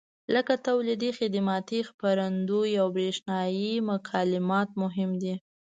لکه تولیدي، خدماتي، خپرندویي او برېښنایي مکالمات مهم دي.